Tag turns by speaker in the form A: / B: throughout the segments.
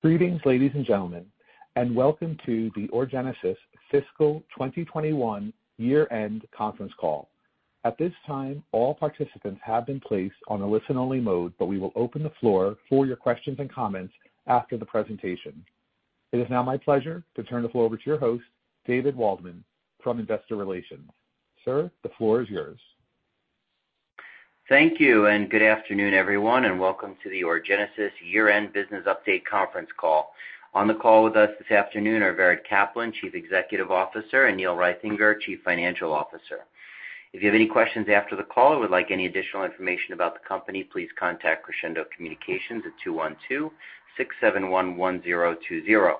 A: Greetings, ladies and gentlemen, and welcome to the Orgenesis Fiscal 2021 Year-End conference call. At this time, all participants have been placed on a listen-only mode, but we will open the floor for your questions and comments after the presentation. It is now my pleasure to turn the floor over to your host, David Waldman from Investor Relations. Sir, the floor is yours.
B: Thank you, and good afternoon, everyone, and welcome to the Orgenesis Year-End Business Update Conference Call. On the call with us this afternoon are Vered Caplan, Chief Executive Officer, and Neil Reithinger, Chief Financial Officer. If you have any questions after the call or would like any additional information about the company, please contact Crescendo Communications at 212-671-1020.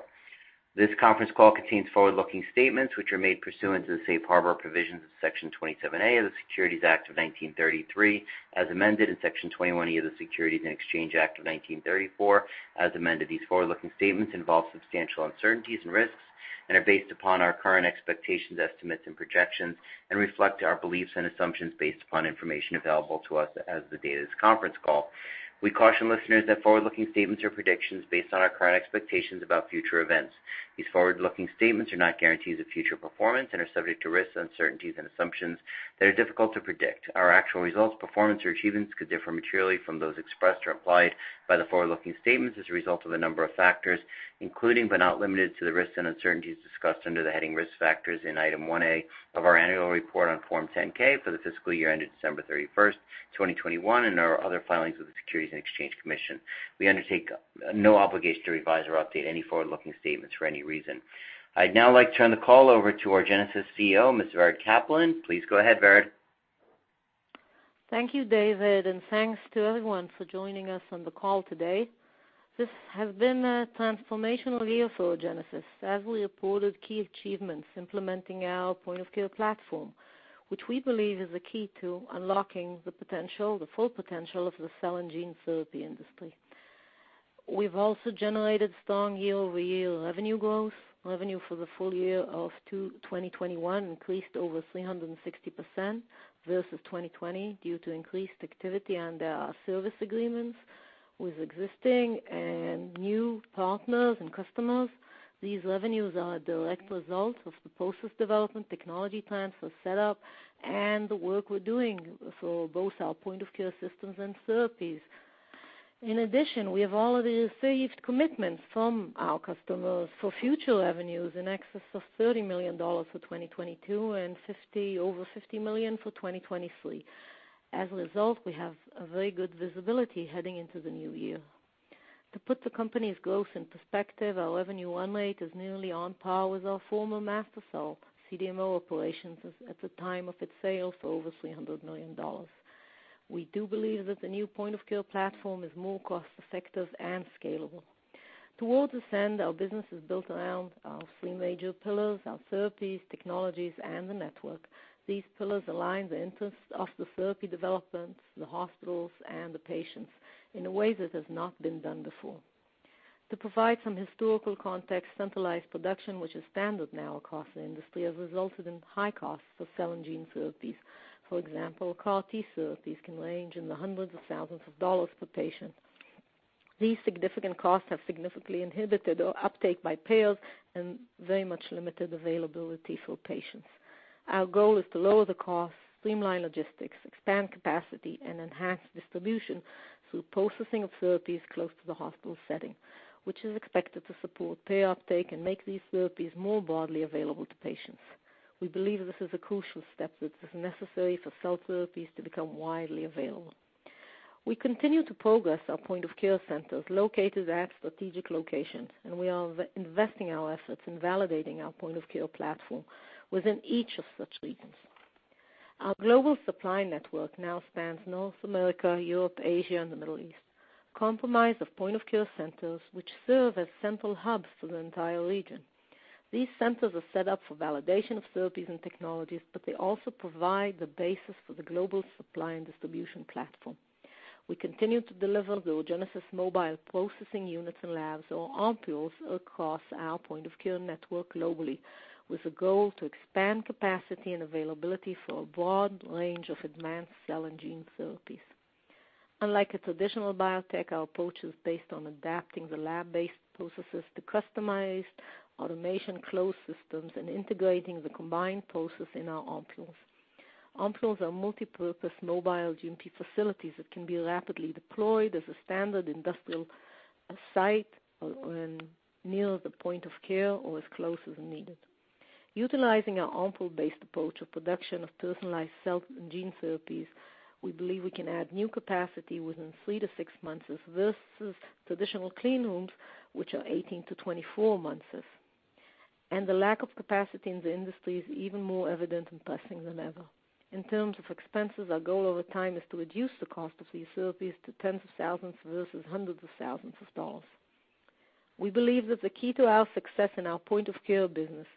B: This conference call contains forward-looking statements which are made pursuant to the Safe Harbor provisions of Section 27A of the Securities Act of 1933, as amended in Section 21E of the Securities Exchange Act of 1934, as amended. These forward-looking statements involve substantial uncertainties and risks and are based upon our current expectations, estimates, and projections and reflect our beliefs and assumptions based upon information available to us as the date of this conference call. We caution listeners that forward-looking statements are predictions based on our current expectations about future events. These forward-looking statements are not guarantees of future performance and are subject to risks, uncertainties, and assumptions that are difficult to predict. Our actual results, performance, or achievements could differ materially from those expressed or implied by the forward-looking statements as a result of a number of factors, including but not limited to the risks and uncertainties discussed under the heading Risk Factors in Item 1A of our annual report on Form 10-K for the fiscal year ended December 31, 2021, and our other filings with the Securities and Exchange Commission. We undertake no obligation to revise or update any forward-looking statements for any reason. I'd now like to turn the call over to Orgenesis CEO, Ms. Vered Caplan. Please go ahead, Vered.
C: Thank you, David, and thanks to everyone for joining us on the call today. This has been a transformational year for Orgenesis as we reported key achievements implementing our point-of-care platform, which we believe is the key to unlocking the potential, the full potential of the cell and gene therapy industry. We've also generated strong year-over-year revenue growth. Revenue for the full year of 2021 increased over 360% versus 2020 due to increased activity under our service agreements with existing and new partners and customers. These revenues are a direct result of the process development, technology transfer setup, and the work we're doing for both our point-of-care systems and therapies. In addition, we have already received commitments from our customers for future revenues in excess of $30 million for 2022 and over $50 million for 2023. As a result, we have a very good visibility heading into the new year. To put the company's growth in perspective, our revenue run rate is nearly on par with our former MaSTherCell CDMO operations at the time of its sale for over $300 million. We do believe that the new point-of-care platform is more cost-effective and scalable. Toward this end, our business is built around our three major pillars, our therapies, technologies, and the network. These pillars align the interests of the therapy development, the hospitals, and the patients in a way that has not been done before. To provide some historical context, centralized production, which is standard now across the industry, has resulted in high costs for cell and gene therapies. For example, CAR T therapies can range in the hundreds of thousands of dollars per patient. These significant costs have significantly inhibited our uptake by payers and very much limited availability for patients. Our goal is to lower the cost, streamline logistics, expand capacity, and enhance distribution through processing of therapies close to the hospital setting, which is expected to support payer uptake and make these therapies more broadly available to patients. We believe this is a crucial step that is necessary for cell therapies to become widely available. We continue to progress our point-of-care centers located at strategic locations, and we are investing our efforts in validating our point-of-care platform within each of such regions. Our global supply network now spans North America, Europe, Asia, and the Middle East, comprised of point-of-care centers which serve as central hubs for the entire region. These centers are set up for validation of therapies and technologies, but they also provide the basis for the global supply and distribution platform. We continue to deliver the Orgenesis mobile processing units and labs or OMPULs across our point-of-care network globally, with a goal to expand capacity and availability for a broad range of advanced cell and gene therapies. Unlike a traditional biotech, our approach is based on adapting the lab-based processes to customized automation closed systems and integrating the combined process in our OMPULs. OMPULs are multipurpose mobile GMP facilities that can be rapidly deployed as a standard industrial site or near the point of care or as close as needed. Utilizing our OMPUL-based approach of production of personalized cell and gene therapies, we believe we can add new capacity within three-six months versus traditional clean rooms, which are 18-24 months. The lack of capacity in the industry is even more evident and pressing than ever. In terms of expenses, our goal over time is to reduce the cost of these therapies to tens of thousands versus hundreds of thousands of dollars. We believe that the key to our success in our point-of-care business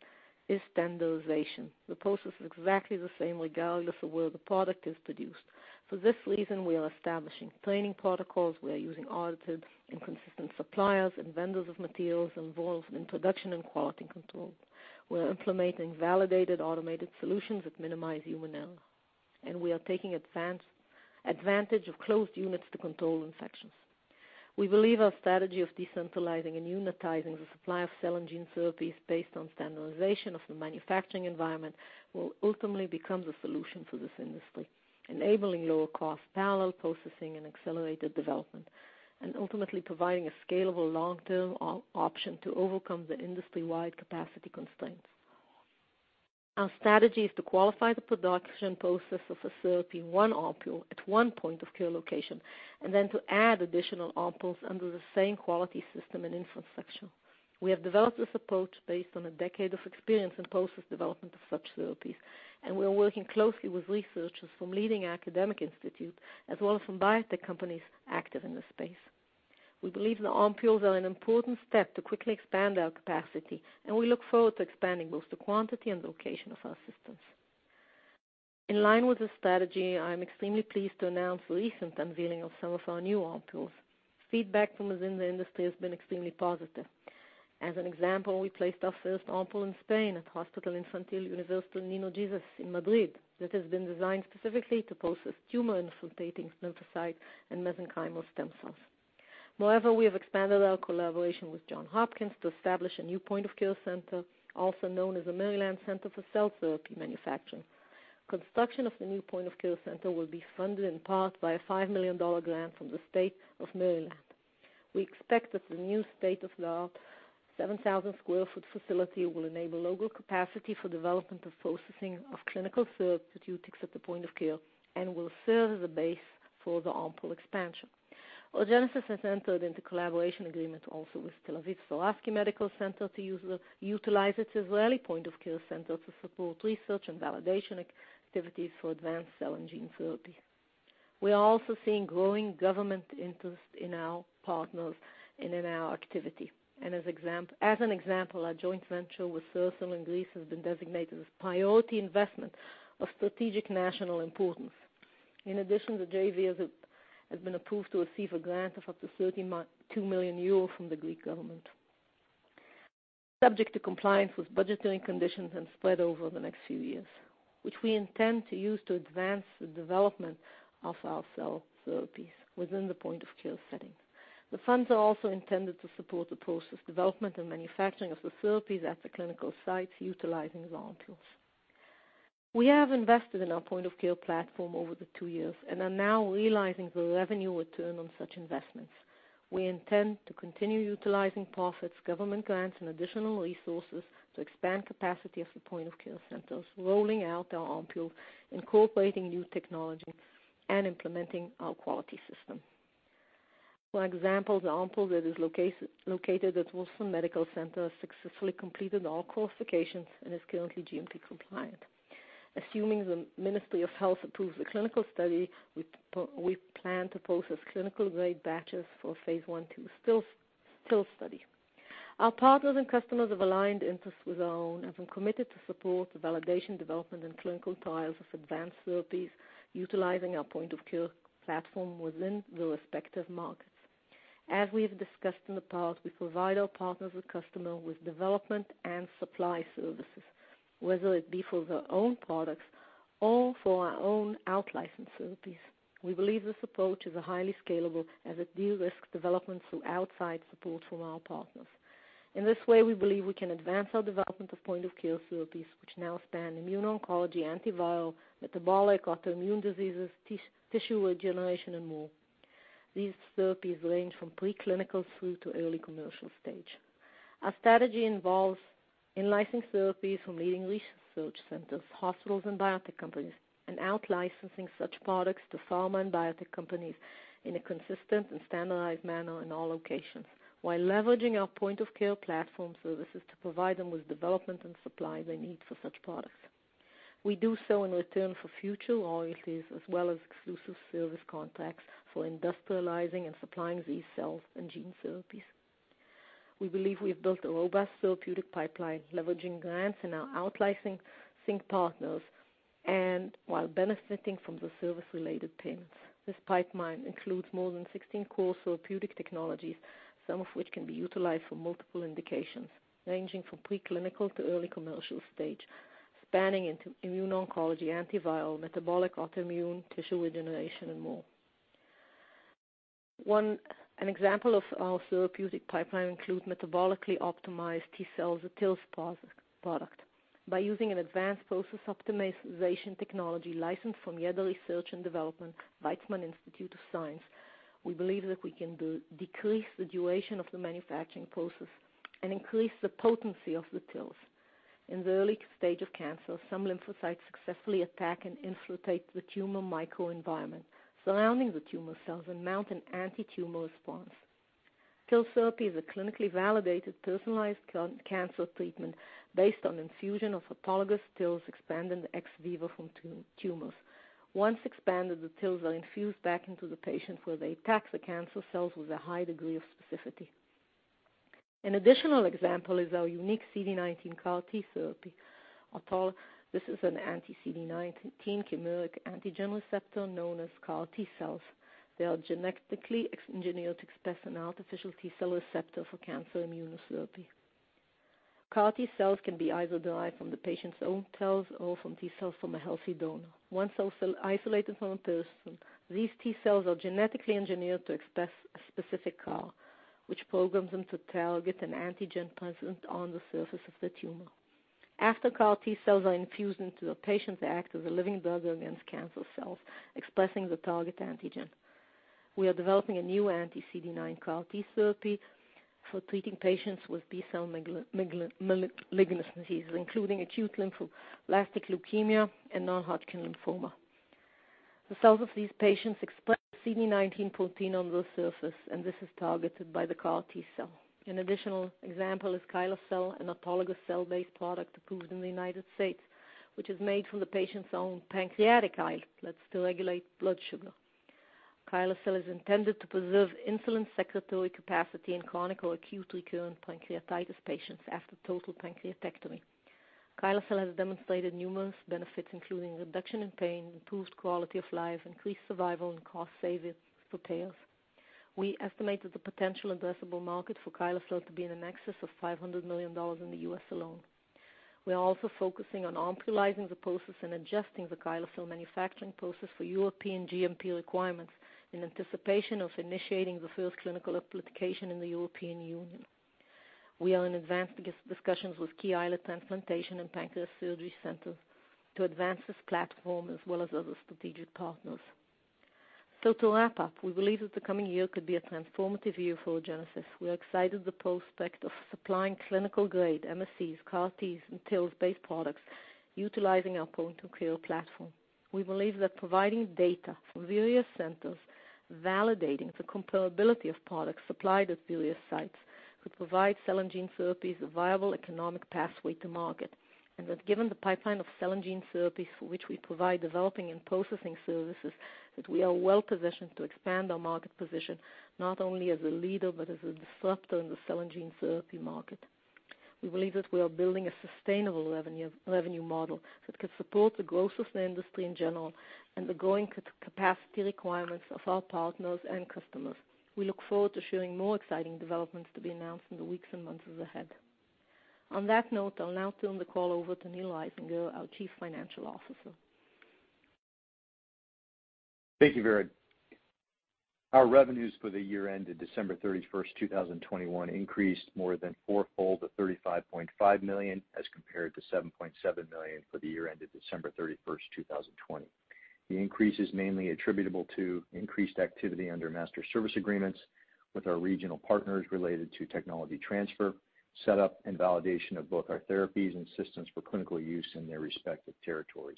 C: is standardization. The process is exactly the same regardless of where the product is produced. For this reason, we are establishing training protocols. We are using audited and consistent suppliers and vendors of materials involved in production and quality control. We're implementing validated automated solutions that minimize human error. We are taking advantage of closed units to control infections. We believe our strategy of decentralizing and unitizing the supply of cell and gene therapies based on standardization of the manufacturing environment will ultimately become the solution for this industry, enabling lower cost, parallel processing and accelerated development, and ultimately providing a scalable long-term option to overcome the industry-wide capacity constraints. Our strategy is to qualify the production process of a therapy in one OMPUL at one point of care location, and then to add additional OMPULs under the same quality system and infrastructure. We have developed this approach based on a decade of experience in process development of such therapies, and we are working closely with researchers from leading academic institutes as well as from biotech companies active in this space. We believe the OMPULs are an important step to quickly expand our capacity, and we look forward to expanding both the quantity and location of our systems. In line with this strategy, I'm extremely pleased to announce the recent unveiling of some of our new OMPULs. Feedback from within the industry has been extremely positive. As an example, we placed our first OMPUL in Spain at Hospital Infantil Universitario Niño Jesús in Madrid. That has been designed specifically to process tumor-infiltrating lymphocytes and mesenchymal stem cells. Moreover, we have expanded our collaboration with Johns Hopkins to establish a new point of care center, also known as the Maryland Center for Cell Therapy Manufacturing. Construction of the new point of care center will be funded in part by a $5 million grant from the State of Maryland. We expect that the new state-of-the-art 7,000 sq ft facility will enable local capacity for development and processing of clinical therapeutics at the point of care and will serve as a base for the OMPUL expansion. Orgenesis has entered into collaboration agreement also with Tel Aviv Sourasky Medical Center to utilize its Israeli point-of-care center to support research and validation activities for advanced cell and gene therapy. We are also seeing growing government interest in our partners and in our activity. As an example, our joint venture with Theracell in Greece has been designated as priority investment of strategic national importance. In addition, the JV has been approved to receive a grant of up to 2 million euros from the Greek government. Subject to compliance with budgeting conditions and spread over the next few years, which we intend to use to advance the development of our cell therapies within the point-of-care setting. The funds are also intended to support the process development and manufacturing of the therapies at the clinical sites utilizing the OMPULs. We have invested in our point-of-care platform over the two years and are now realizing the revenue return on such investments. We intend to continue utilizing profits, government grants and additional resources to expand capacity of the point-of-care centers, rolling out our OMPUL, incorporating new technology and implementing our quality system. For example, the OMPUL that is located at Edith Wolfson Medical Center successfully completed all qualifications and is currently GMP compliant. Assuming the Ministry of Health approves the clinical study, we plan to process clinical-grade batches for phase I/II study. Our partners and customers have aligned interests with our own, and have been committed to support the validation, development and clinical trials of advanced therapies utilizing our point-of-care platform within the respective markets. As we have discussed in the past, we provide our partners with development and supply services, whether it be for their own products or for our own outlicensed therapies. We believe this approach is highly scalable as it de-risks development through outside support from our partners. In this way, we believe we can advance our development of point-of-care therapies, which now span immuno-oncology, antiviral, metabolic, autoimmune diseases, tissue regeneration and more. These therapies range from pre-clinical through to early commercial stage. Our strategy involves in-licensing therapies from leading research centers, hospitals and biotech companies, and out-licensing such products to pharma and biotech companies in a consistent and standardized manner in all locations, while leveraging our point-of-care platform services to provide them with development and supply they need for such products. We do so in return for future royalties as well as exclusive service contracts for industrializing and supplying these cell and gene therapies. We believe we've built a robust therapeutic pipeline, leveraging grants and our out-licensing partners, and while benefiting from the service-related payments. This pipeline includes more than 16 core therapeutic technologies, some of which can be utilized for multiple indications, ranging from pre-clinical to early commercial stage, spanning into immuno-oncology, antiviral, metabolic, autoimmune, tissue regeneration and more. An example of our therapeutic pipeline includes metabolically optimized T-cells, a TILs product. By using an advanced process optimization technology licensed from our R&D, Weizmann Institute of Science, we believe that we can decrease the duration of the manufacturing process and increase the potency of the TILs. In the early stage of cancer, some lymphocytes successfully attack and infiltrate the tumor microenvironment surrounding the tumor cells and mount an antitumor response. TIL therapy is a clinically validated, personalized cancer treatment based on infusion of autologous TILs expanded ex vivo from tumors. Once expanded, the TILs are infused back into the patient, where they attack the cancer cells with a high degree of specificity. An additional example is our unique CD19 CAR T therapy, although this is an anti-CD19 chimeric antigen receptor known as CAR T-cells. They are genetically engineered to express an artificial T-cell receptor for cancer immunotherapy. CAR T-cells can be either derived from the patient's own cells or from T-cells from a healthy donor. Once cells are isolated from a person, these T-cells are genetically engineered to express a specific CAR, which programs them to target an antigen present on the surface of the tumor. After CAR T-cells are infused into a patient, they act as a living drug against cancer cells expressing the target antigen. We are developing a new anti-CD19 CAR T therapy for treating patients with B-cell malignant diseases, including acute lymphoblastic leukemia and non-Hodgkin lymphoma. The cells of these patients express CD19 protein on the surface, and this is targeted by the CAR T-cell. An additional example is KYSLECEL, an autologous cell-based product approved in the United States, which is made from the patient's own pancreatic islet that still regulate blood sugar. KYSLECEL is intended to preserve insulin secretory capacity in chronic or acute recurrent pancreatitis patients after total pancreatectomy. KYSLECEL has demonstrated numerous benefits, including reduction in pain, improved quality of life, increased survival and cost savings for payers. We estimated the potential addressable market for KYSLECEL to be in excess of $500 million in the U.S. alone. We are also focusing on OMPULizing the process and adjusting the KYSLECEL manufacturing process for European GMP requirements in anticipation of initiating the first clinical application in the European Union. We are in advanced discussions with key islet transplantation and pancreas surgery centers to advance this platform as well as other strategic partners. To wrap up, we believe that the coming year could be a transformative year for Orgenesis. We are excited at the prospect of supplying clinical-grade MSCs, CAR-Ts, and TILs-based products utilizing our point-of-care platform. We believe that providing data from various centers validating the comparability of products supplied at various sites could provide cell and gene therapies a viable economic pathway to market, and that given the pipeline of cell and gene therapies for which we provide developing and processing services, that we are well-positioned to expand our market position, not only as a leader, but as a disruptor in the cell and gene therapy market. We believe that we are building a sustainable revenue model that could support the growth of the industry in general and the growing capacity requirements of our partners and customers. We look forward to sharing more exciting developments to be announced in the weeks and months ahead. On that note, I'll now turn the call over to Neil Reithinger, our Chief Financial Officer.
D: Thank you, Vered. Our revenues for the year ended December 31, 2021 increased more than four-fold to $35.5 million, as compared to $7.7 million for the year ended December 31, 2020. The increase is mainly attributable to increased activity under master service agreements with our regional partners related to technology transfer, setup, and validation of both our therapies and systems for clinical use in their respective territories.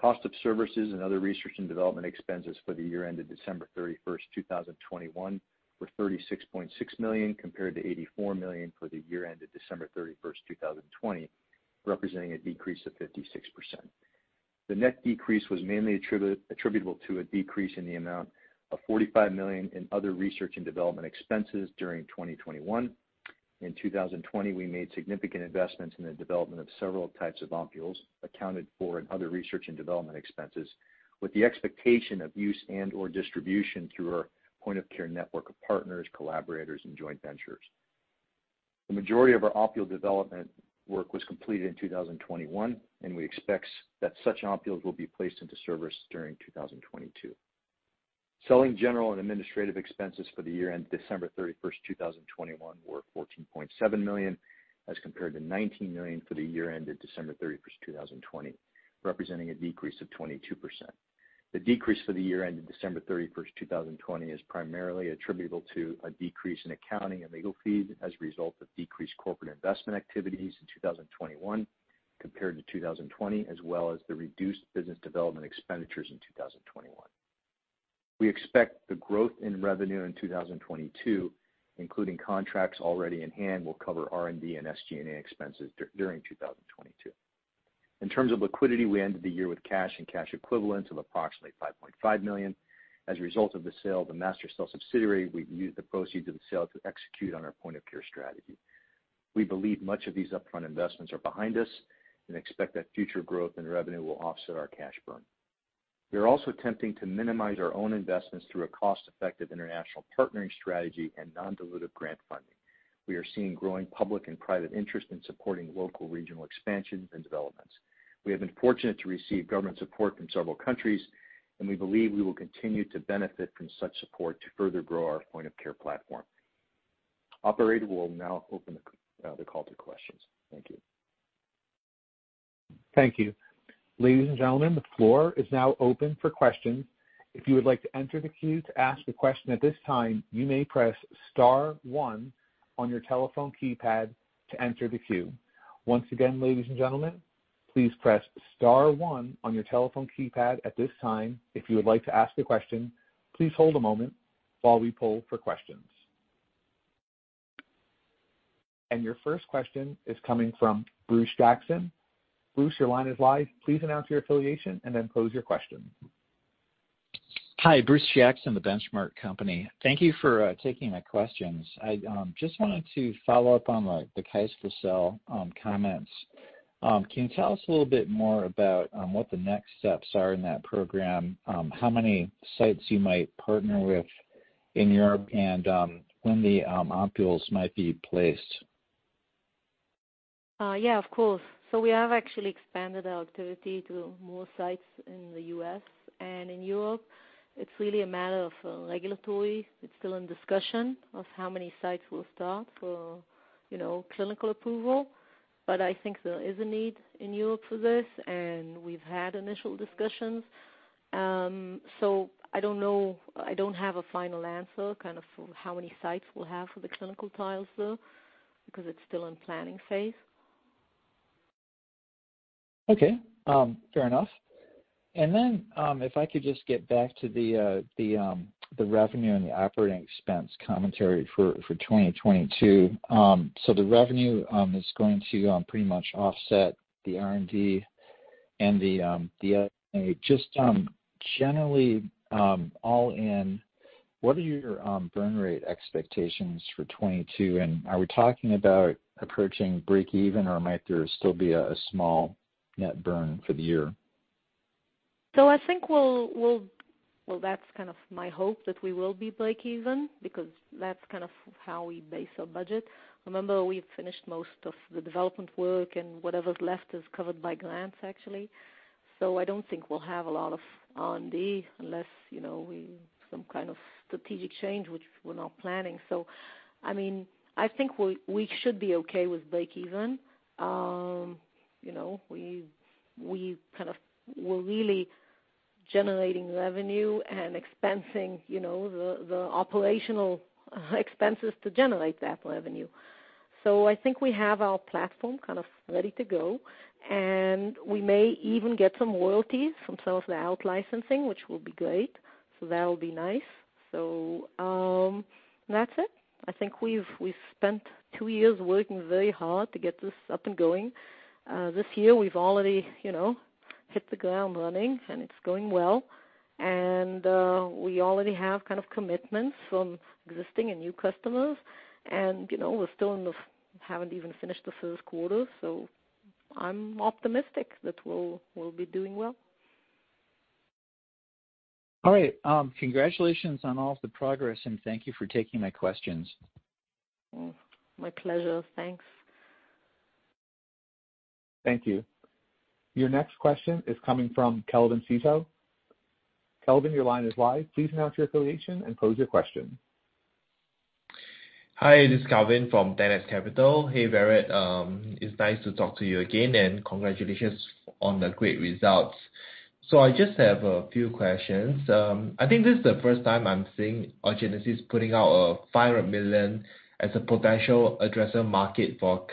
D: Cost of services and other research and development expenses for the year ended December 31, 2021 were $36.6 million, compared to $84 million for the year ended December 31, 2020, representing a decrease of 56%. The net decrease was mainly attributable to a decrease in the amount of $45 million in other research and development expenses during 2021. In 2020, we made significant investments in the development of several types of OMPULs accounted for in other research and development expenses, with the expectation of use and/or distribution through our point-of-care network of partners, collaborators, and joint ventures. The majority of our OMPUL development work was completed in 2021, and we expect that such OMPULs will be placed into service during 2022. Selling, general, and administrative expenses for the year ended December 31, 2021 were $14.7 million, as compared to $19 million for the year ended December 31, 2020, representing a decrease of 22%. The decrease for the year ended December 31, 2020 is primarily attributable to a decrease in accounting and legal fees as a result of decreased corporate investment activities in 2021 compared to 2020, as well as the reduced business development expenditures in 2021. We expect the growth in revenue in 2022, including contracts already in hand, will cover R&D and SG&A expenses during 2022. In terms of liquidity, we ended the year with cash and cash equivalents of approximately $5.5 million. As a result of the sale of the MaSTherCell subsidiary, we've used the proceeds of the sale to execute on our point-of-care strategy. We believe much of these upfront investments are behind us and expect that future growth in revenue will offset our cash burn. We are also attempting to minimize our own investments through a cost-effective international partnering strategy and non-dilutive grant funding. We are seeing growing public and private interest in supporting local regional expansions and developments. We have been fortunate to receive government support from several countries, and we believe we will continue to benefit from such support to further grow our point-of-care platform. Operator, we will now open the call to questions. Thank you.
A: Thank you. Ladies and gentlemen, the floor is now open for questions. If you would like to enter the queue to ask a question at this time, you may press star one on your telephone keypad to enter the queue. Once again, ladies and gentlemen, please press star one on your telephone keypad at this time if you would like to ask a question. Please hold a moment while we poll for questions. Your first question is coming from Bruce Jackson. Bruce, your line is live. Please announce your affiliation and then pose your question.
E: Hi, Bruce Jackson, The Benchmark Company. Thank you for taking my questions. I just wanted to follow up on the KYSLECEL comments. Can you tell us a little bit more about what the next steps are in that program? How many sites you might partner with in Europe and when the OMPULs might be placed?
C: Yeah, of course. We have actually expanded our activity to more sites in the U.S. and in Europe. It's really a matter of regulatory. It's still in discussion of how many sites we'll start for, you know, clinical approval. I think there is a need in Europe for this, and we've had initial discussions. I don't know. I don't have a final answer kind of for how many sites we'll have for the clinical trials, though, because it's still in planning phase.
E: Okay. Fair enough. If I could just get back to the revenue and the operating expense commentary for 2022. The revenue is going to pretty much offset the R&D and the SG&A, generally all in. What are your burn rate expectations for 2022? Are we talking about approaching break even, or might there still be a small net burn for the year?
C: I think we'll be breakeven. Well, that's kind of my hope that we will be breakeven because that's kind of how we base our budget. Remember, we've finished most of the development work, and whatever's left is covered by grants, actually. I don't think we'll have a lot of R&D unless, you know, we make some kind of strategic change, which we're not planning. I mean, I think we should be okay with breakeven. You know, we're really generating revenue and expensing, you know, the operational expenses to generate that revenue. I think we have our platform kind of ready to go, and we may even get some royalties from some of the out-licensing, which will be great. That'll be nice. That's it. I think we've spent two years working very hard to get this up and going. This year we've already, you know, hit the ground running and it's going well. We already have kind of commitments from existing and new customers. You know, we're still in the first quarter, haven't even finished the first quarter, so I'm optimistic that we'll be doing well.
E: All right. Congratulations on all of the progress, and thank you for taking my questions.
C: My pleasure. Thanks.
A: Thank you. Your next question is coming from Kelvin Seetoh. Kelvin, your line is live. Please announce your affiliation and pose your question.
F: Hi, this is Kelvin from 10x Capital. Hey, Vered. It's nice to talk to you again, and congratulations on the great results. I just have a few questions. I think this is the first time I'm seeing Orgenesis putting out a $500 million as a potential addressable market for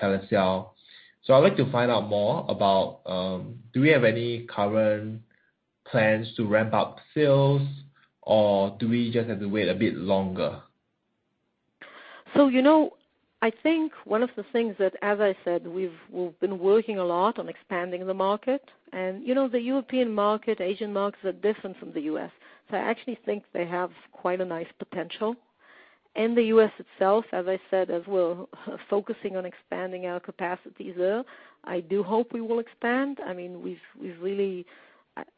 F: KYSLECEL. I'd like to find out more about, do we have any current plans to ramp up sales, or do we just have to wait a bit longer?
C: You know, I think one of the things that, as I said, we've been working a lot on expanding the market and, you know, the European market, Asian markets are different from the US. I actually think they have quite a nice potential. In the U.S. itself, as I said, as we're focusing on expanding our capacities there, I do hope we will expand. I mean, we've really.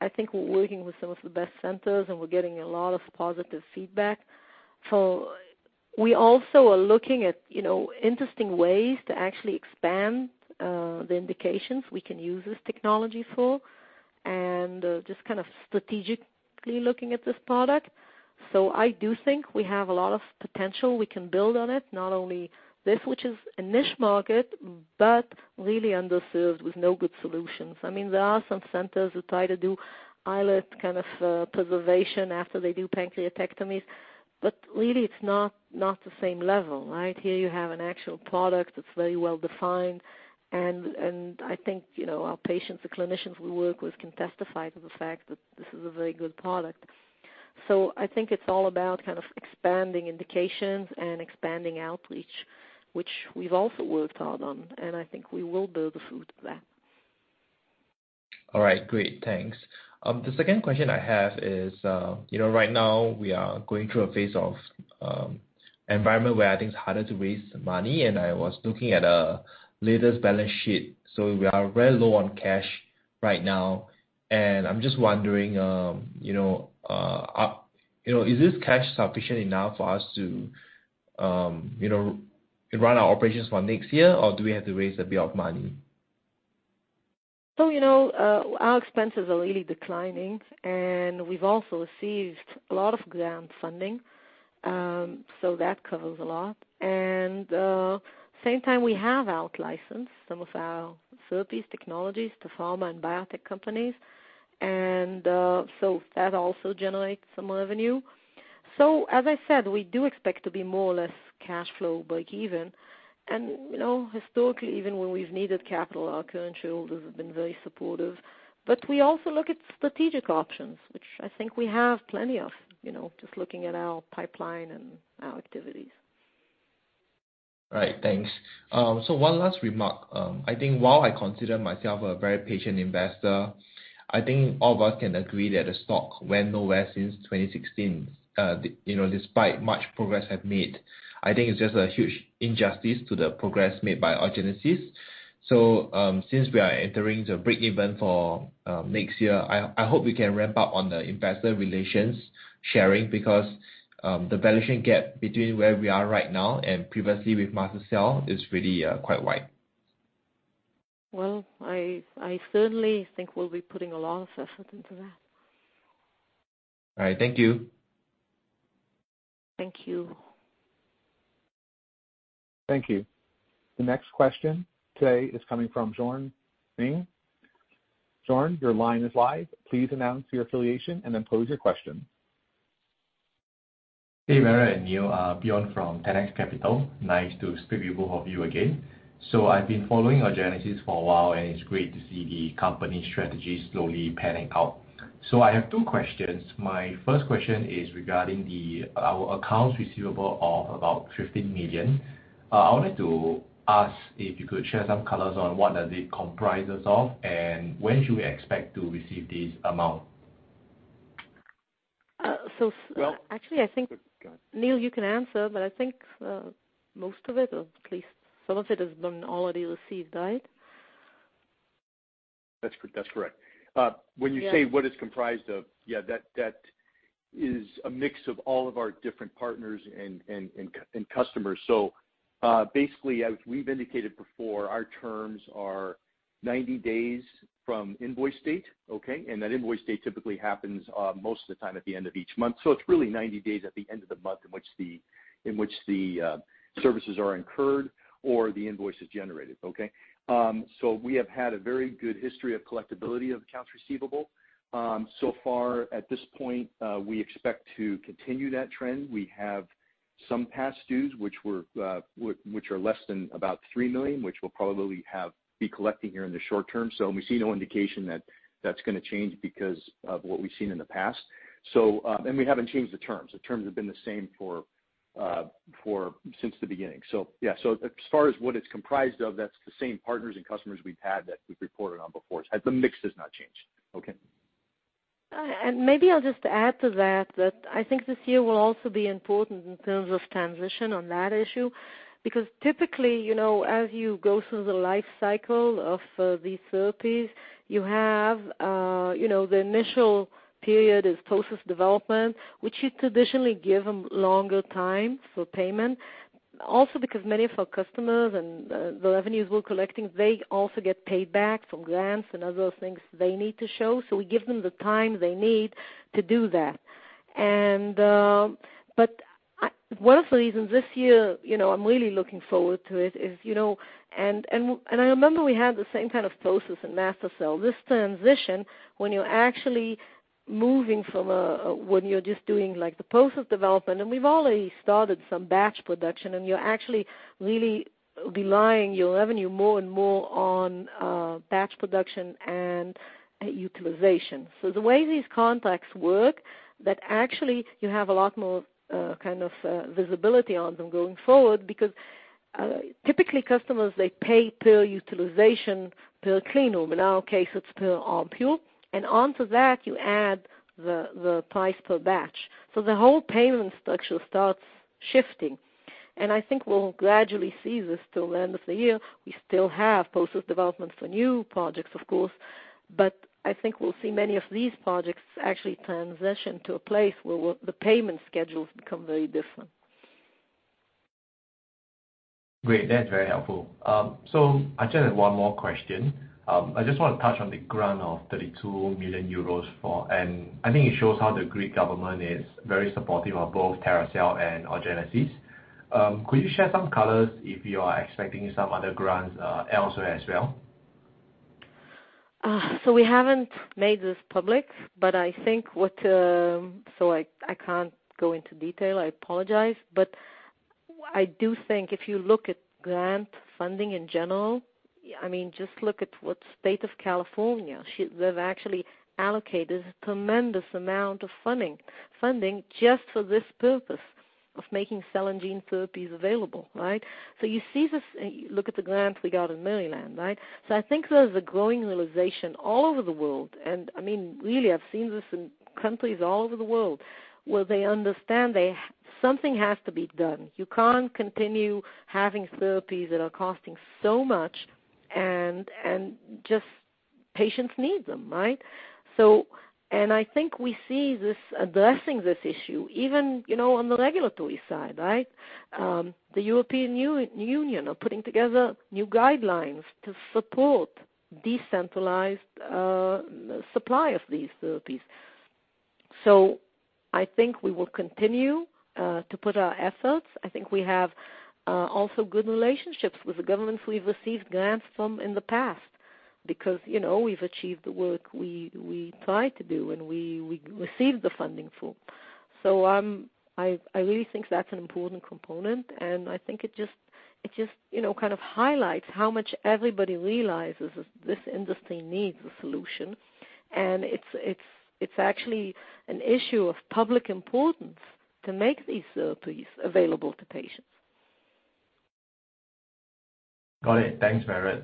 C: I think we're working with some of the best centers, and we're getting a lot of positive feedback. We also are looking at, you know, interesting ways to actually expand the indications we can use this technology for and just kind of strategically looking at this product. I do think we have a lot of potential we can build on it, not only this, which is a niche market, but really underserved with no good solutions. I mean, there are some centers who try to do islet kind of preservation after they do pancreatectomies, but really it's not the same level, right? Here you have an actual product that's very well defined, and I think, you know, our patients, the clinicians we work with, can testify to the fact that this is a very good product. I think it's all about kind of expanding indications and expanding outreach, which we've also worked hard on, and I think we will build the fruit of that.
F: All right. Great. Thanks. The second question I have is, you know, right now we are going through a phase of an environment where I think it's harder to raise money, and I was looking at the latest balance sheet. We are very low on cash right now. I'm just wondering, you know, you know, is this cash sufficient enough for us to, you know, run our operations for next year, or do we have to raise a bit of money?
C: You know, our expenses are really declining, and we've also received a lot of grant funding, so that covers a lot. At the same time we have out-licensed some of our therapy technologies to pharma and biotech companies, so that also generates some revenue. As I said, we do expect to be more or less cash flow breakeven. You know, historically, even when we've needed capital, our current shareholders have been very supportive. We also look at strategic options, which I think we have plenty of, you know, just looking at our pipeline and our activities.
F: All right. Thanks. One last remark. I think while I consider myself a very patient investor, I think all of us can agree that the stock went nowhere since 2016. You know, despite much progress have made. I think it's just a huge injustice to the progress made by Orgenesis. Since we are entering the breakeven for next year, I hope we can ramp up on the investor relations sharing because the valuation gap between where we are right now and previously with MaSTherCell is really quite wide.
C: Well, I certainly think we'll be putting a lot of effort into that.
F: All right. Thank you.
C: Thank you.
A: Thank you. The next question today is coming from Bjorn Ng. Bjorn, your line is live. Please announce your affiliation and then pose your question.
G: Hey, Vered and Neil Reithinger, Bjorn Ng from 10x Capital. Nice to speak with both of you again. I've been following Orgenesis for a while, and it's great to see the company strategy slowly panning out. I have two questions. My first question is regarding our accounts receivable of about $15 million. I wanted to ask if you could share some colors on what does it comprises of, and when should we expect to receive this amount?
C: Uh, so s-
D: Well-
C: Actually, I think-
D: Go ahead.
C: Neil, you can answer, but I think, most of it, or at least some of it, has been already received, right?
D: That's correct.
C: Yeah.
D: When you say what it's comprised of, that is a mix of all of our different partners and customers. Basically, as we've indicated before, our terms are 90 days from invoice date, okay? That invoice date typically happens most of the time at the end of each month. It's really 90 days at the end of the month in which the services are incurred or the invoice is generated, okay? We have had a very good history of collectibility of accounts receivable. So far at this point, we expect to continue that trend. We have some past dues which are less than about $3 million, which we'll probably be collecting here in the short term. We see no indication that that's gonna change because of what we've seen in the past. We haven't changed the terms. The terms have been the same since the beginning. Yeah. As far as what it's comprised of, that's the same partners and customers we've had that we've reported on before. The mix has not changed. Okay.
C: Maybe I'll just add to that I think this year will also be important in terms of transition on that issue. Because typically, you know, as you go through the life cycle of these therapies, you have, you know, the initial period is process development, which you traditionally give them longer time for payment. Also because many of our customers and the revenues we're collecting, they also get paid back from grants and other things they need to show. We give them the time they need to do that. One of the reasons this year, you know, I'm really looking forward to it is, you know. I remember we had the same kind of process in MaSTherCell, this transition when you're actually moving from when you're just doing, like, the process development, and we've already started some batch production, and you're actually really realizing your revenue more and more on batch production and utilization. The way these contracts work, that actually you have a lot more kind of visibility on them going forward, because typically customers, they pay per utilization, per clean room. In our case, it's per OMPUL. And onto that, you add the price per batch. The whole payment structure starts shifting. I think we'll gradually see this till the end of the year. We still have process development for new projects, of course, but I think we'll see many of these projects actually transition to a place where the payment schedules become very different.
G: Great. That's very helpful. I just have one more question. I just wanna touch on the grant of 32 million euros. I think it shows how the Greek government is very supportive of both Theracell and Orgenesis. Could you share some color if you are expecting some other grants elsewhere as well?
C: We haven't made this public, but I can't go into detail. I apologize. I do think if you look at grant funding in general, I mean, just look at what State of California, they've actually allocated a tremendous amount of funding just for this purpose of making cell and gene therapies available, right? You see this, look at the grants we got in Maryland, right? I think there's a growing realization all over the world, and I mean, really, I've seen this in countries all over the world, where they understand something has to be done. You can't continue having therapies that are costing so much and just patients need them, right? I think we see this addressing this issue even, you know, on the regulatory side, right? The European Union are putting together new guidelines to support decentralized supply of these therapies. I think we will continue to put our efforts. I think we have also good relationships with the governments we've received grants from in the past because, you know, we've achieved the work we try to do and we received the funding for. I really think that's an important component, and I think it just you know kind of highlights how much everybody realizes this industry needs a solution. It's actually an issue of public importance to make these therapies available to patients.
G: Got it. Thanks, Vered.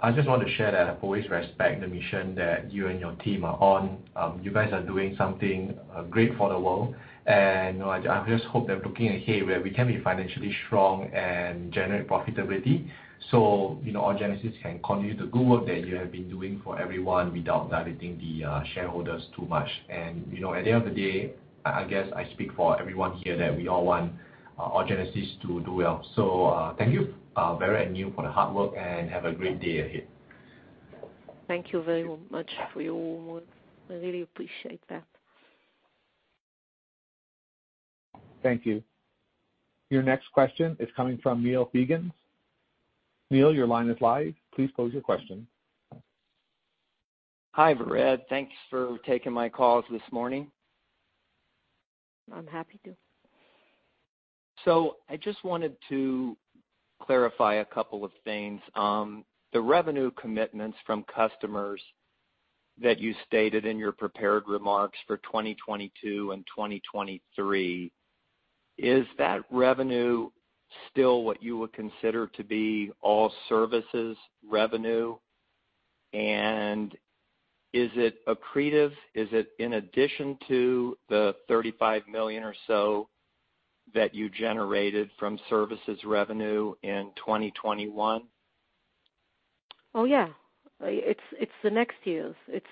G: I just want to share that I've always respect the mission that you and your team are on. You guys are doing something great for the world, and I just hope that looking ahead, where we can be financially strong and generate profitability, you know, Orgenesis can continue the good work that you have been doing for everyone without diluting the shareholders too much. You know, at the end of the day, I guess I speak for everyone here that we all want Orgenesis to do well. Thank you, Vered and you for the hard work, and have a great day ahead.
C: Thank you very much for your words. I really appreciate that.
A: Thank you. Your next question is coming from Neil Fiegans. Neil, your line is live. Please pose your question.
H: Hi, Vered. Thanks for taking my calls this morning.
C: I'm happy to.
H: I just wanted to clarify a couple of things. The revenue commitments from customers that you stated in your prepared remarks for 2022 and 2023, is that revenue still what you would consider to be all services revenue? Is it accretive? Is it in addition to the $35 million or so that you generated from services revenue in 2021?
C: Oh, yeah. It's the next years. It's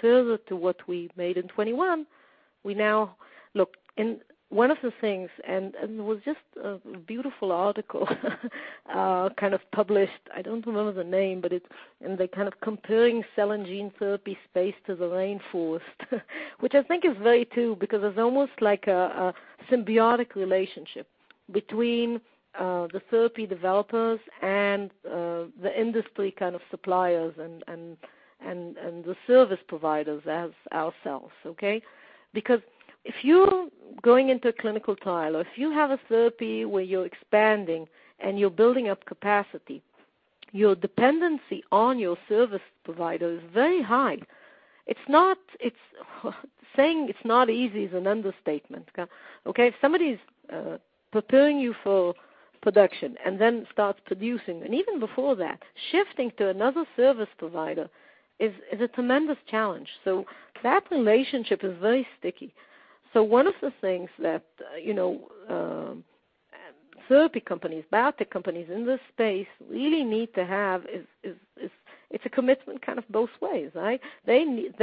C: further to what we made in 2021. Look, one of the things, it was just a beautiful article kind of published. I don't remember the name, but they're kind of comparing cell and gene therapy space to the rainforest, which I think is very true, because it's almost like a symbiotic relationship between the therapy developers and the industry kind of suppliers and the service providers as ourselves, okay? Because if you're going into a clinical trial or if you have a therapy where you're expanding and you're building up capacity, your dependency on your service provider is very high. Saying it's not easy is an understatement. Okay? If somebody's preparing you for production and then starts producing, and even before that, shifting to another service provider is a tremendous challenge. That relationship is very sticky. One of the things that therapy companies, biotech companies in this space really need to have is it's a commitment kind of both ways, right? It's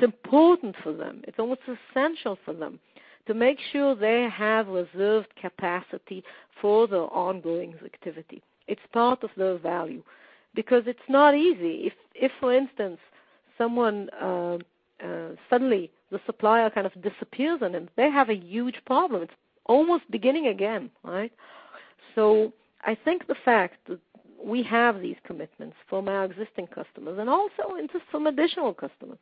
C: important for them. It's almost essential for them to make sure they have reserved capacity for the ongoing activity. It's part of the value because it's not easy. If, for instance, someone suddenly the supplier kind of disappears on them, they have a huge problem. It's almost beginning again, right? I think the fact that we have these commitments from our existing customers and also into some additional customers,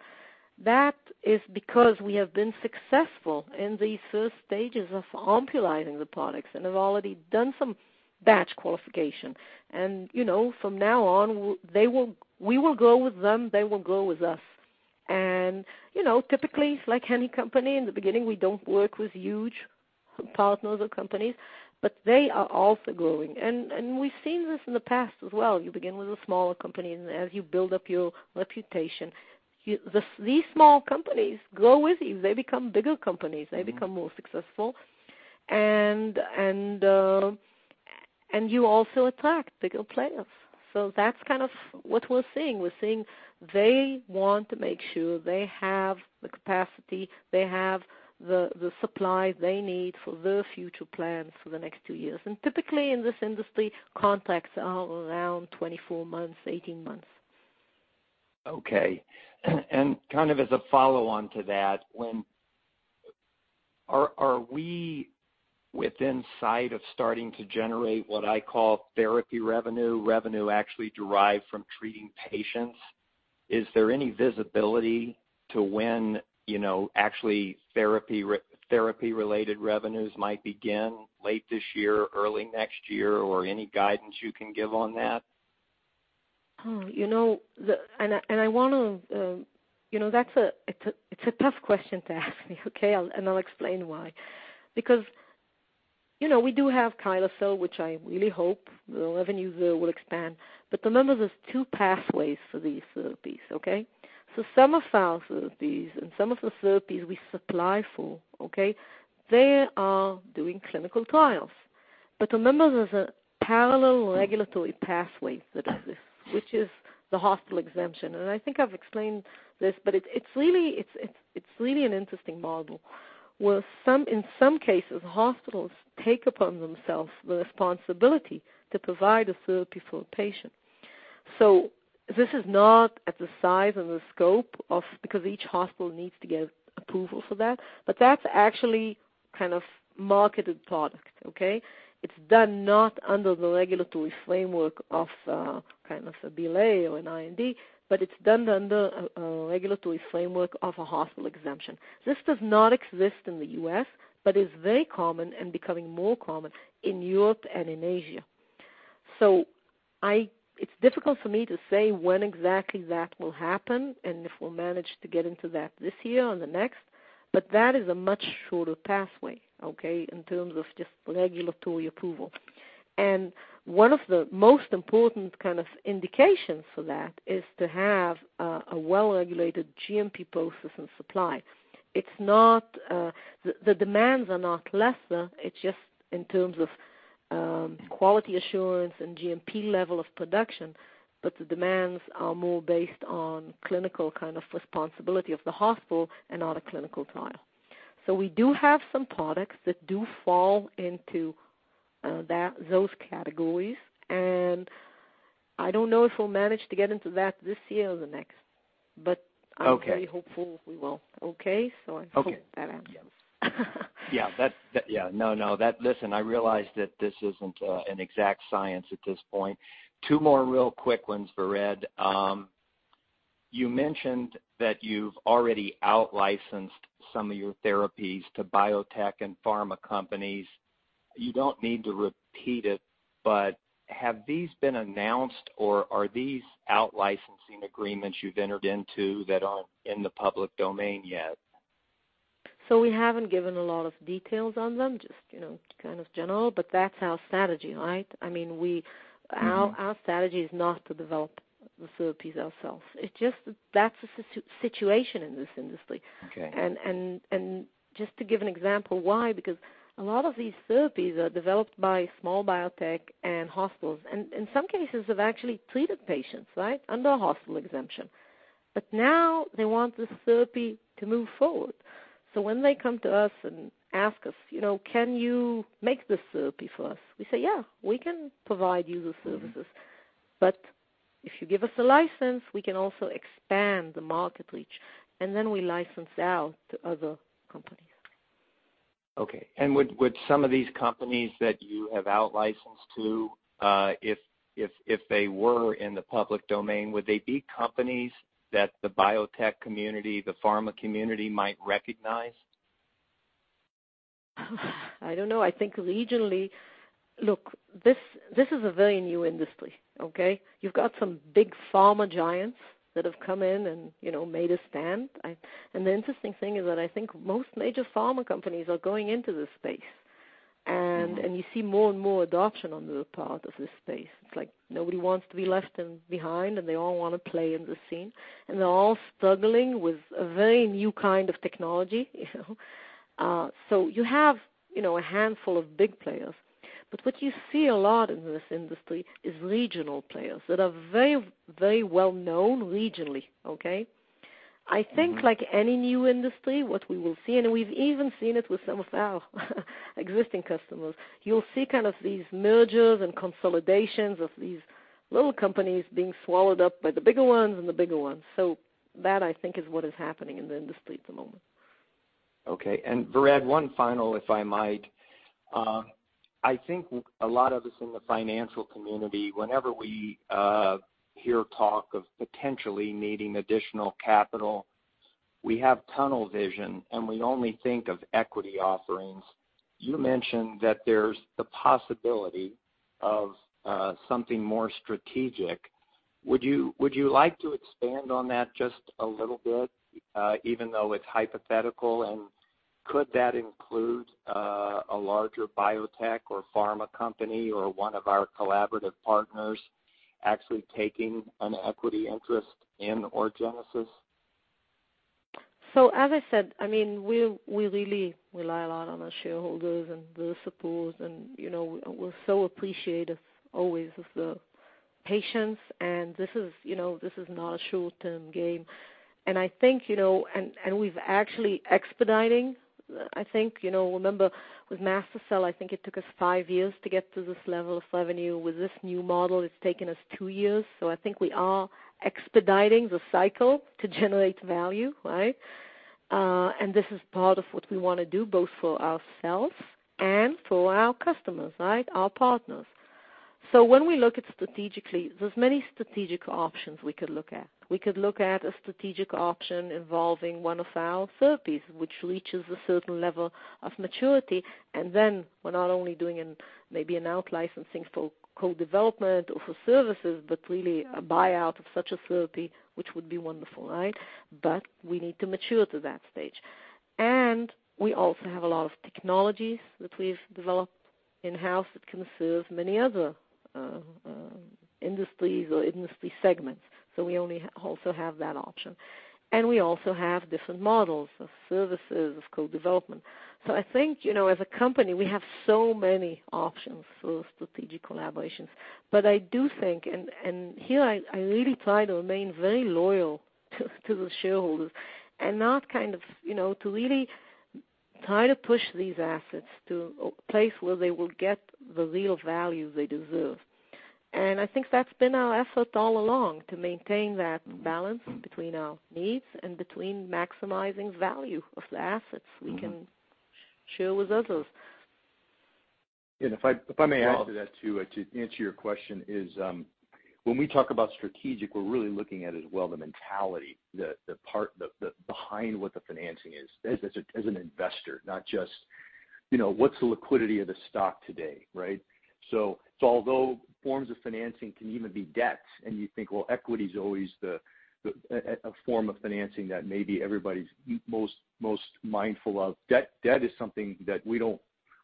C: that is because we have been successful in these first stages of OMPULizing the products and have already done some batch qualification. You know, from now on, we will grow with them, they will grow with us. You know, typically, it's like any company. In the beginning, we don't work with huge partners or companies, but they are also growing. We've seen this in the past as well. You begin with a smaller company, and as you build up your reputation, these small companies grow with you. They become bigger companies. They become more successful. And you also attract bigger players. That's kind of what we're seeing. We're seeing they want to make sure they have the capacity, they have the supply they need for their future plans for the next two years. Typically in this industry, contracts are around 24 months, 18 months.
H: Okay. Kind of as a follow-on to that, are we within sight of starting to generate what I call therapy revenue actually derived from treating patients? Is there any visibility to when, you know, actually therapy-related revenues might begin, late this year or early next year, or any guidance you can give on that?
C: You know, that's a tough question to ask me, okay? I'll explain why. Because, you know, we do have KYSLECEL, which I really hope the revenues will expand. But remember, there's two pathways for these therapies, okay? Some of our therapies and some of the therapies we supply for, okay, they are doing clinical trials. But remember, there's a parallel regulatory pathway that exists, which is the hospital exemption. I think I've explained this, but it's really an interesting model, where in some cases, hospitals take upon themselves the responsibility to provide a therapy for a patient. This is not at the size and the scope because each hospital needs to get approval for that, but that's actually kind of marketed product, okay? It's done not under the regulatory framework of kind of a BLA or an IND, but it's done under a regulatory framework of a hospital exemption. This does not exist in the U.S., but is very common and becoming more common in Europe and in Asia. It's difficult for me to say when exactly that will happen, and if we'll manage to get into that this year or the next, but that is a much shorter pathway, okay, in terms of just regulatory approval. One of the most important kind of indications for that is to have a well-regulated GMP process and supply. It's not the demands are not lesser. It's just in terms of quality assurance and GMP level of production, but the demands are more based on clinical kind of responsibility of the hospital and not a clinical trial. We do have some products that do fall into that, those categories, and I don't know if we'll manage to get into that this year or the next, but
H: Okay.
C: I'm very hopeful we will. Okay?
H: Okay.
C: I hope that answers.
H: Yeah. That yeah. No. Listen, I realize that this isn't an exact science at this point. Two more real quick ones, Vered. You mentioned that you've already outlicensed some of your therapies to biotech and pharma companies. You don't need to repeat it, but have these been announced, or are these out-licensing agreements you've entered into that aren't in the public domain yet?
C: We haven't given a lot of details on them, just, you know, kind of general, but that's our strategy, right? I mean, our strategy is not to develop the therapies ourselves. It's just that's the situation in this industry.
H: Okay.
C: Just to give an example why, because a lot of these therapies are developed by small biotech and hospitals, and in some cases have actually treated patients, right, under a hospital exemption. Now they want the therapy to move forward. When they come to us and ask us, "You know, can you make this therapy for us?" We say, "Yeah, we can provide you the services. But if you give us a license, we can also expand the market reach." Then we license out to other companies.
H: Okay. Would some of these companies that you have outlicensed to, if they were in the public domain, would they be companies that the biotech community, the pharma community might recognize?
C: I don't know. I think regionally. Look, this is a very new industry, okay? You've got some big pharma giants that have come in and, you know, made a stand. And the interesting thing is that I think most major pharma companies are going into this space. You see more and more adoption on the part of this space. It's like nobody wants to be left behind, and they all wanna play in the scene, and they're all struggling with a very new kind of technology, you know? You have, you know, a handful of big players. What you see a lot in this industry is regional players that are very, very well known regionally, okay? I think like any new industry, what we will see, and we've even seen it with some of our existing customers, you'll see kind of these mergers and consolidations of these little companies being swallowed up by the bigger ones and the bigger ones. That I think is what is happening in the industry at the moment.
H: Okay. Vered, one final, if I might. I think a lot of us in the financial community, whenever we hear talk of potentially needing additional capital, we have tunnel vision, and we only think of equity offerings. You mentioned that there's the possibility of something more strategic. Would you like to expand on that just a little bit, even though it's hypothetical, and could that include a larger biotech or pharma company or one of our collaborative partners actually taking an equity interest in Orgenesis?
C: As I said, I mean, we really rely a lot on our shareholders and their support and, you know, we're so appreciative always of the patience. This is not a short-term game. I think, you know, and we've actually expediting, I think. You know, remember with MaSTherCell, I think it took us five years to get to this level of revenue. With this new model, it's taken us two years, so I think we are expediting the cycle to generate value, right? This is part of what we wanna do both for ourselves and for our customers, right, our partners. When we look at strategically, there's many strategic options we could look at. We could look at a strategic option involving one of our therapies, which reaches a certain level of maturity. Then we're not only doing an, maybe an out licensing for co-development or for services, but really a buyout of such a therapy, which would be wonderful, right? We need to mature to that stage. We also have a lot of technologies that we've developed in-house that can serve many other industries or industry segments. We only also have that option. We also have different models of services, of co-development. I think, you know, as a company, we have so many options for strategic collaborations. I do think, and here I really try to remain very loyal to the shareholders and not kind of, you know, to really try to push these assets to a place where they will get the real value they deserve. I think that's been our effort all along, to maintain that balance between our needs and between maximizing value of the assets. We can share with others.
D: If I may add to that too, to answer your question, when we talk about strategic, we're really looking at as well the mentality, the part behind what the financing is as an investor, not just, you know, what's the liquidity of the stock today, right? Although forms of financing can even be debt, and you think, well, equity is always a form of financing that maybe everybody's most mindful of. Debt is something that we don't.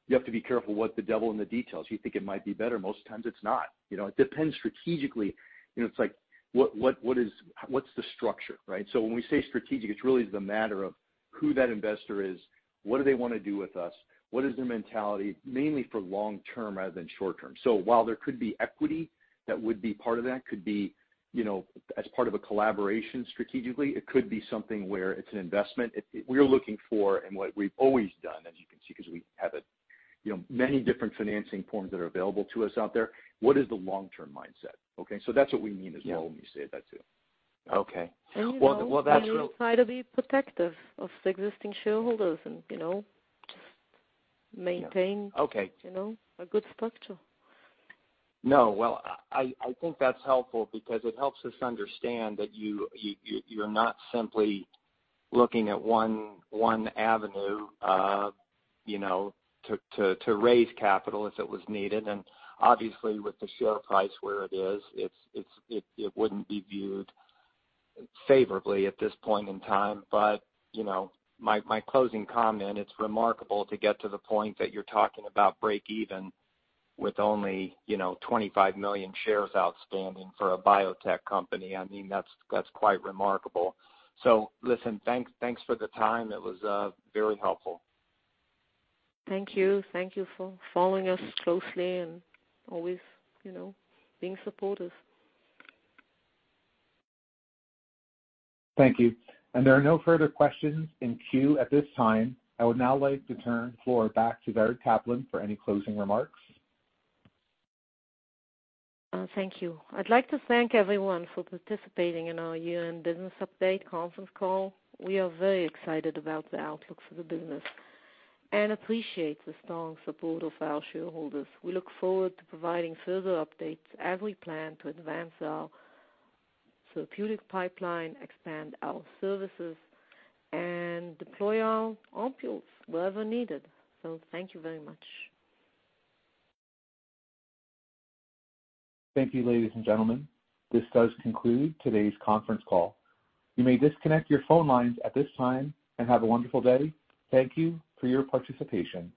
D: You have to be careful. The devil is in the details. You think it might be better, most times it's not. You know, it depends strategically. You know, it's like, what's the structure, right? When we say strategic, it's really the matter of who that investor is. What do they wanna do with us? What is their mentality? Mainly for long-term rather than short-term. While there could be equity, that could be, you know, as part of a collaboration strategically. It could be something where it's an investment. We're looking for and what we've always done, as you can see, because we have, you know, many different financing forms that are available to us out there. What is the long-term mindset? Okay, that's what we mean as well when we say that too.
H: Okay.
C: You know.
H: Well, that's what.
C: We try to be protective of existing shareholders and, you know, just maintain.
H: Okay.
C: You know, a good structure.
H: No. Well, I think that's helpful because it helps us understand that you're not simply looking at one avenue, you know, to raise capital as it was needed. Obviously with the share price where it is, it wouldn't be viewed favorably at this point in time. You know, my closing comment, it's remarkable to get to the point that you're talking about break even with only, you know, 25 million shares outstanding for a biotech company. I mean, that's quite remarkable. Listen, thanks for the time. It was very helpful.
C: Thank you. Thank you for following us closely and always, you know, being supportive.
A: Thank you. There are no further questions in queue at this time. I would now like to turn the floor back to Vered Caplan for any closing remarks.
C: Thank you. I'd like to thank everyone for participating in our year-end business update conference call. We are very excited about the outlook for the business and appreciate the strong support of our shareholders. We look forward to providing further updates as we plan to advance our therapeutic pipeline, expand our services, and deploy our OMPULs wherever needed. Thank you very much.
A: Thank you, ladies and gentlemen. This does conclude today's conference call. You may disconnect your phone lines at this time, and have a wonderful day. Thank you for your participation.